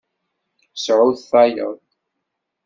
Sɛut tayeḍ.